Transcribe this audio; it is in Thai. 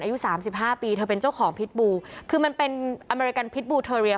อายุสามสิบห้าปีเธอเป็นเจ้าของพิษบูคือมันเป็นอเมริกันพิษบูเทอเรีย